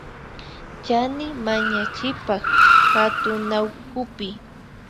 Chani manañipak katunawkupi